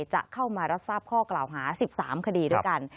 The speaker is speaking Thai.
จะเข้ามารับทราบข้อกล่าวหา๑๓คดีด้วยกัน